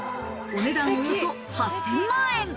お値段およそ８０００万円。